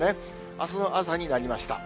あすの朝になりました。